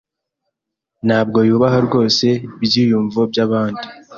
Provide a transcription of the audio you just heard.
Ntabwo yubaha rwose ibyiyumvo byabandi.